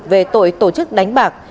về tội tổ chức đánh bạc